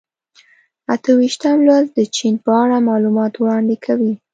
اته ویشتم لوست د چین په اړه معلومات وړاندې کوي.